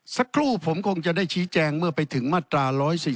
สักครู่ผมคงจะได้ชี้แจงเมื่อไปถึงมาตรา๑๔๔